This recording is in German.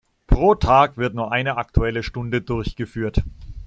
Pro Tag wird nur eine Aktuelle Stunde durchgeführt.